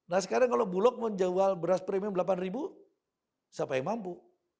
nah sekarang kalau bulog mau jual beras premium delapan siapa yang mampu